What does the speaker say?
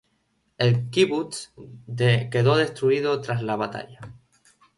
El kibutz quedó destruido tras la batalla.